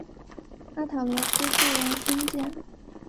阿塔罗斯柱廊兴建。